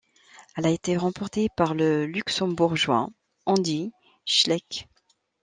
Elle a été remportée par le Luxembourgeois Andy Schleck.